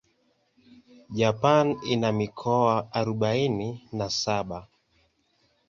Japan ina mikoa arubaini na saba.